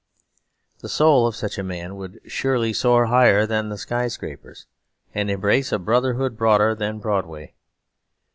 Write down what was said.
The soul of such a man would surely soar higher than the sky scrapers, and embrace a brotherhood broader than Broadway.